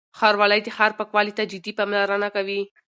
ښاروالۍ د ښار پاکوالي ته جدي پاملرنه کوي.